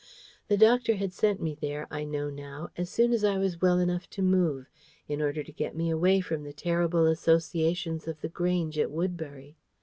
The doctor had sent me there (I know now) as soon as I was well enough to move, in order to get me away from the terrible associations of The Grange at Woodbury.